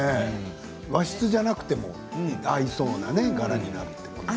和室じゃなくても合いそうな柄になっていましたね。